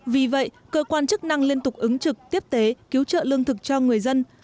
vì vậy cơ quan chức năng liên tục ứng trực tiếp tế cứu trợ lương thực cho người dân